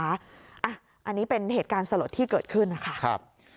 อันนี้เป็นเหตุการณ์สลดที่เกิดขึ้นนะคะ